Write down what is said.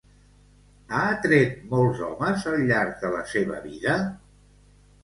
Ha atret molts homes al llarg de la seva vida?